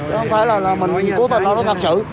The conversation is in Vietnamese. không phải là mình cố tình đâu nó thật sự